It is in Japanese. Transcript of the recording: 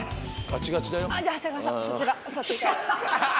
じゃあ長谷川さんそちら座っていただいて。